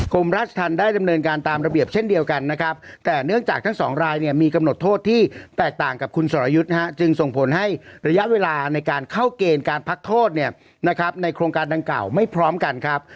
กรมราชทันได้ดำเนินการตามระเบียบเช่นเดียวกันนะครับ